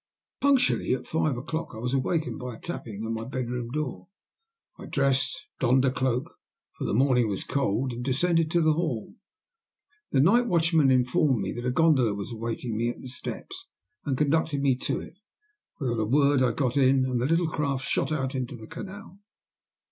Punctually at five o'clock I was awakened by a tapping at my bedroom door. I dressed, donned a cloak, for the morning was cold, and descended to the hall. The night watchman informed me that a gondola was awaiting me at the steps, and conducted me to it. Without a word I got in, and the little craft shot out into the canal.